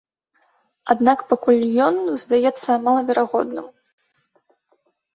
Аднак пакуль ён здаецца малаверагодным.